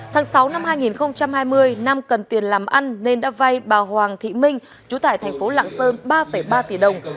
tháng sáu năm hai nghìn hai mươi nam cần tiền làm ăn nên đã vay bà hoàng thị minh trú tại tp lạng sơn ba ba tỷ đồng